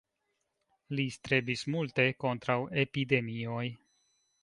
Li strebis multe kontraŭ epidemioj.